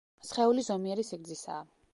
სხეული ზომიერი სიგრძისაა.